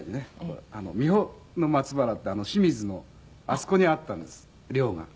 三保の松原って清水のあそこにあったんです寮が。